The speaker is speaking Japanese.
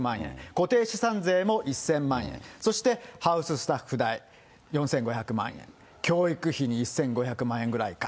固定資産税も１０００万円、そしてハウススタッフ代４５００万円、教育費に１５００万円ぐらいか。